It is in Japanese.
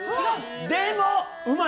でも、うまい！